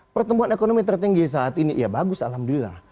pertumbuhan ekonomi tertinggi saat ini ya bagus alhamdulillah